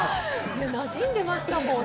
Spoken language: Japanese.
なじんでましたもんね。